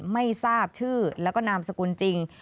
ไม่ทราบชื่อแล้วก็นามสกุลจริง